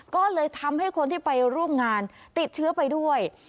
ก็เลยทำให้คนที่ไปร่วมงานติดเชื้อไปด้วย